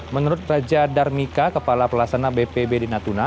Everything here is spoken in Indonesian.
menurut raja darmika kepala pelasana bp bd natuna